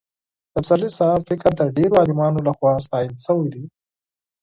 د پسرلي صاحب فکر د ډېرو عالمانو له خوا ستایل شوی دی.